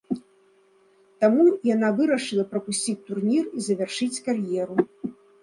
Таму яна вырашыла прапусціць турнір і завяршыць кар'еру.